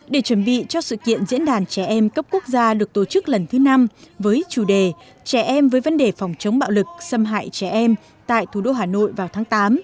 để chuẩn bị cho sự kiện diễn đàn trẻ em cấp quốc gia được tổ chức lần thứ năm với chủ đề trẻ em với vấn đề phòng chống bạo lực xâm hại trẻ em tại thủ đô hà nội vào tháng tám